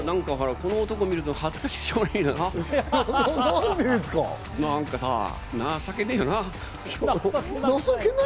この男を見ると恥ずかしくてしょうがない。